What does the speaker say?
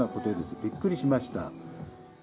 びっくりしました。